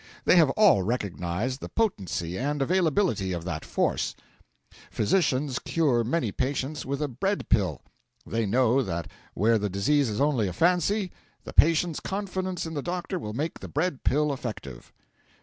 They have all recognised the potency and availability of that force. Physicians cure many patients with a bread pill; they know that where the disease is only a fancy, the patient's confidence in the doctor will make the bread pill effective.